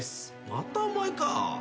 またお前か。